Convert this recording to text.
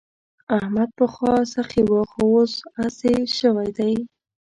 احمد پخوا سخي وو خو اوس اسي شوی دی.